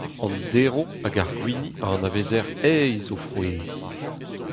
An derv hag ar gwini a anavezer aes o frouezh.